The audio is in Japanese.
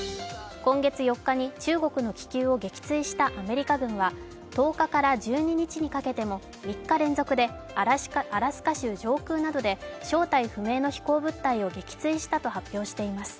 今月４日に中国の気球を撃墜したアメリカ軍は、１０日から１２日にかけても３日連続でアラスカ州上空などで正体不明の飛行物体を撃墜したと発表しています。